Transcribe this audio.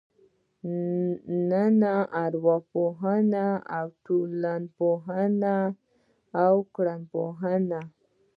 نننۍ ارواپوهنه او ټولنپوهنه او وګړپوهنه.